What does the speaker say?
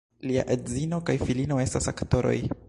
Lia edzino kaj filino estas aktoroj.